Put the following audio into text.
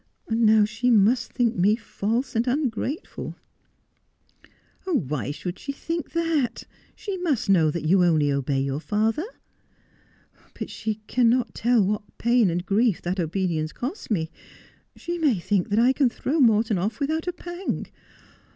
And now she must think me false and ungrateful.' ' Why should she think that 1 She must know that you only obey your father.' ' But she cannot tell what pain and grief that obedience cost me. She may think that I can throw Morton off without a pang.